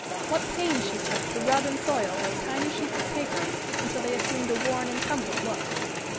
What pains she took to rub and soil those tiny sheets of paper, until they assumed a worn and crumpled look!